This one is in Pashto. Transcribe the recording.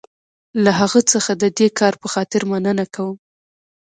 له هغه څخه د دې کار په خاطر مننه کوم.